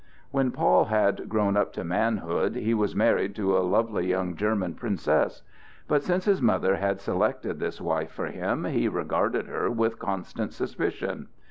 When Paul had grown up to manhood, he was married to a lovely young German princess; but since his mother had selected this wife for him, he regarded her with constant suspicion.